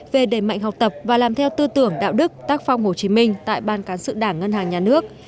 về đẩy mạnh học tập và làm theo tư tưởng đạo đức tác phong hồ chí minh tại ban cán sự đảng ngân hàng nhà nước